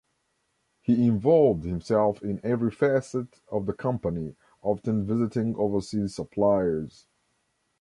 He involved himself in every facet of the company, often visiting overseas suppliers.